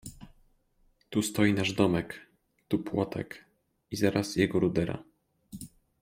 Tu stoi nasz domek, tu płotek — i zaraz jego rudera.